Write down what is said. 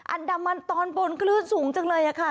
อันดามันตอนบนคลื่นสูงจังเลยค่ะ